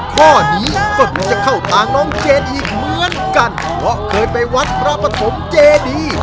ข้อนี้ก็คงจะเข้าตาน้องเจนอีกเหมือนกันเพราะเคยไปวัดพระปฐมเจดี